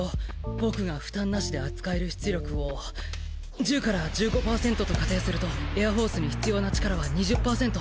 僕が負担なしで扱える出力を１０１５パーセントと仮定するとエアフォースに必要な力は２０パーセント。